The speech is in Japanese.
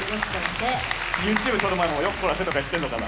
ＹｏｕＴｕｂｅ撮る前も「よっこらせ」とか言ってんのかな。